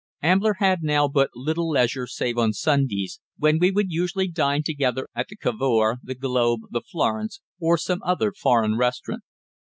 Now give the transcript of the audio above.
Ambler had now but little leisure save on Sundays, when we would usually dine together at the Cavour, the Globe, the Florence, or some other foreign restaurant.